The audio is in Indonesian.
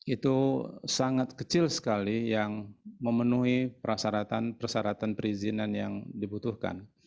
itu sangat kecil sekali yang memenuhi persyaratan persyaratan perizinan yang dibutuhkan